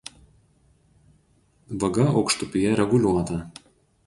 Vaga aukštupyje reguliuota.